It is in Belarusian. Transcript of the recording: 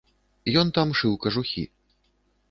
Ён там шыў кажухі.